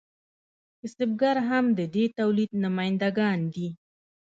کسبګر هم د دې تولید نماینده ګان دي.